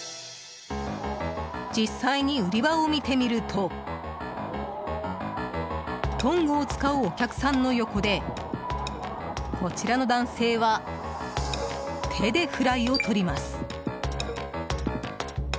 実際に売り場を見てみるとトングを使うお客さんの横でこちらの男性は手でフライを取ります。